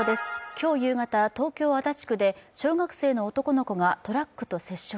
今日夕方、東京・足立区で小学生の男の子がトラックと接触。